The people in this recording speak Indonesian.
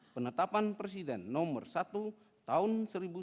penetapan presiden nomor satu tahun seribu sembilan ratus sembilan puluh